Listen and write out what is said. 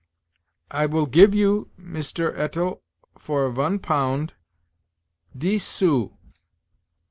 "I will give you, Mister Etel, for von pound, dix sous."